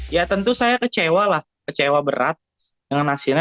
ya tentu saya kecewa lah kecewa berat dengan hasilnya